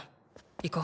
行こう。